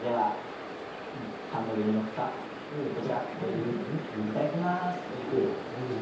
パンの上に載ったこちら、いただきます。